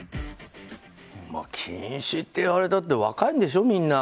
まあ、禁止って言われたって若いんでしょ、みんな。